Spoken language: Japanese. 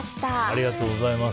ありがとうございます。